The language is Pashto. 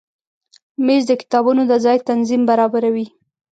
مېز د کتابونو د ځای تنظیم برابروي.